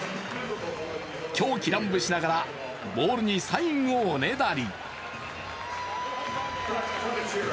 狂喜乱舞しながらボールにサインをおねだり。